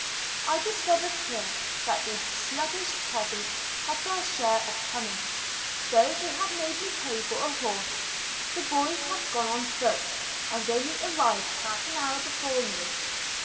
I discovered here that these sluggish peasants had their share of cunning. Though they had made me pay for a horse, the boy had gone on foot, and only arrived half an hour before me.